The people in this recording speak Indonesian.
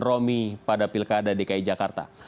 dan romy pada pilkada dki jakarta